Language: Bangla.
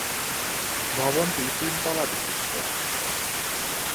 ভবনটি তিন তলা বিশিষ্ট।